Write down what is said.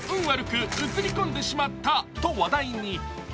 悪く映り込んでしまったと話題に。